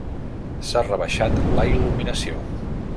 S'ha rebaixat la il·luminació.